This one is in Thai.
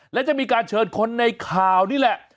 และจะมีการเชิญคนในข่าวนี่แหละ